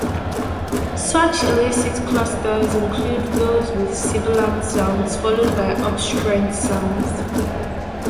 Such illicit clusters include those with sibilant sounds followed by obstruent sounds.